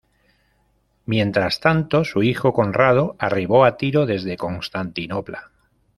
Mientras tanto, su hijo Conrado arribó a Tiro desde Constantinopla.